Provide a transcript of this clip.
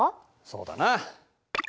そうだな。